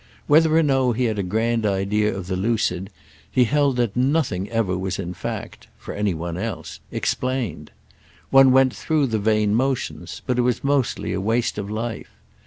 Whether or no he had a grand idea of the lucid, he held that nothing ever was in fact—for any one else—explained. One went through the vain motions, but it was mostly a waste of life.